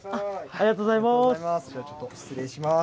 ありがとうございます。